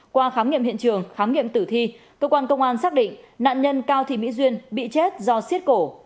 qua khám nghiệm hiện trường khám nghiệm tử thi cơ quan công an xác định nạn nhân cao thị mỹ duyên bị chết do xiết cổ